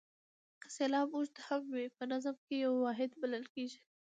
که سېلاب اوږد هم وي په نظم کې یو واحد بلل کیږي.